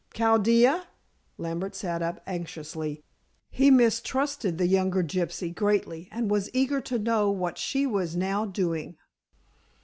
"Chaldea!" Lambert sat up anxiously. He mistrusted the younger gypsy greatly, and was eager to know what she was now doing.